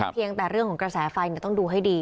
เพียงแต่เรื่องของกระแสไฟต้องดูให้ดี